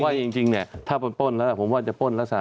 แต่ว่าจริงถ้าเขาป้นผมว่าจะป้นแล้วสะ